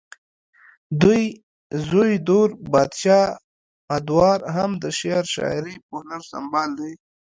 ددوي زوے دور بادشاه ادوار هم د شعرو شاعرۍ پۀ هنر سنبال دے